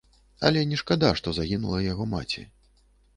Але не шкада, што загінула яго маці.